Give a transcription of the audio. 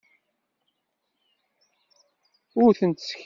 Ur tent-sseknayeɣ.